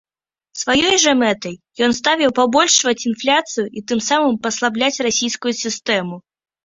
Сваёй жа мэтай ён ставіў пабольшваць інфляцыю і тым самым паслабляць расійскую сістэму.